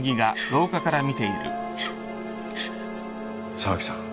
沢木さん。